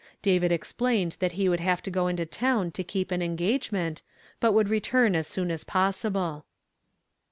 David explained that he would have to go into town to keep an engagement, but would re turn as soon as possible.